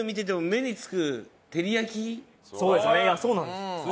いやそうなんです。